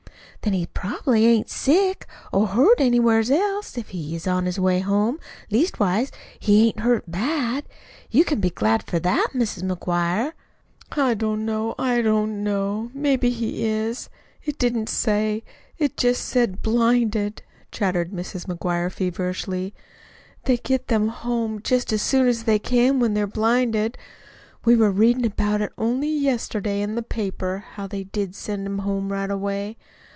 "Then he probably ain't sick, or hurt anywheres else, if he's on his way home leastways, he ain't hurt bad. You can be glad for that, Mis' McGuire." "I don't know, I don't know. Maybe he is. It didn't say. It just said blinded," chattered Mrs. McGuire feverishly. "They get them home just as soon as they can when they're blinded. We were readin' about it only yesterday in the paper how they did send 'em home right away.